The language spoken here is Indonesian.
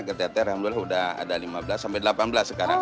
keter ter alhamdulillah udah ada lima belas sampai delapan belas sekarang